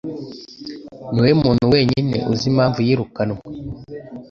Niwowe muntu wenyine uzi impamvu yirukanwe.